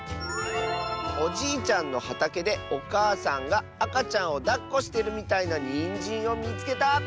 「おじいちゃんのはたけでおかあさんがあかちゃんをだっこしてるみたいなニンジンをみつけた！」。